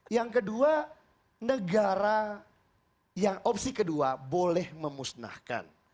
yang kedua negara yang opsi kedua boleh memusnahkan